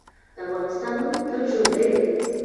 د افغانستان نوم تل ژوندی دی.